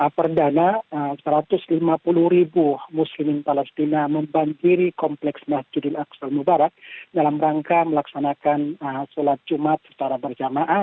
perdana satu ratus lima puluh ribu muslimin palestina membanjiri kompleks masjidul aqsal mubarak dalam rangka melaksanakan sholat jumat secara berjamaah